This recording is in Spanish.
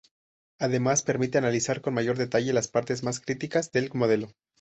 Además permite analizar con mayor detalle las partes más críticas del modelo.